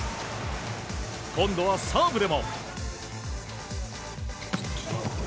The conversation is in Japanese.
今度はサーブでも。